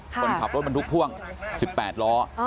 คนขับรถบรรทุกพ่วง๑๘ล้อ